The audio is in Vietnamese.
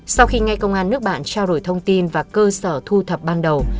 sau khi ngay công an nước bạn trao đổi thông tin và cơ sở thu thập ban đầu